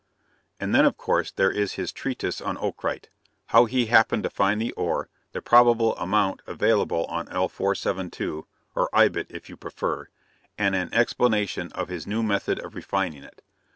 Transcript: And then, of course, there is his treatise on ocrite: how he happened to find the ore, the probable amount available on L 472 or Ibit, if you prefer and an explanation of his new method of refining it.